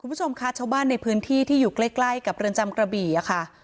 คุณผู้ชมค่ะชาวบ้านในพื้นที่ที่อยู่ใกล้ใกล้กับเรือนจำกระบี่ค่ะ